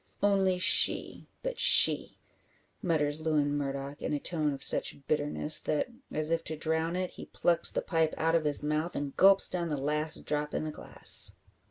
"Only she but she!" mutters Lewin Murdock, in a tone of such bitterness, that, as if to drown it, he plucks the pipe out of his mouth, and gulps down the last drop in the glass.